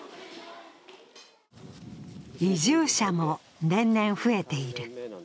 移住者も年々増えている。